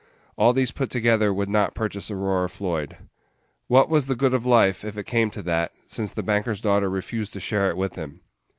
All these put together would not purchase Aurora Floyd. What was the good of life, if it came to that, since the banker's daughter refused to share it with him?